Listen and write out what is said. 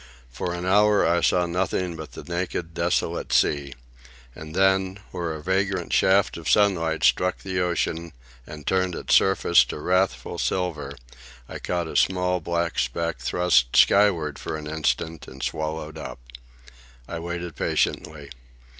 For an hour I saw nothing but the naked, desolate sea. And then, where a vagrant shaft of sunlight struck the ocean and turned its surface to wrathful silver, I caught a small black speck thrust skyward for an instant and swallowed up. I waited patiently.